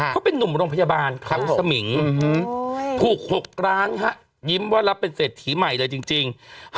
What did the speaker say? เขาเป็นนุ่มโรงพยาบาลเขาสมิงถูก๖ล้านฮะยิ้มว่ารับเป็นเศรษฐีใหม่เลยจริง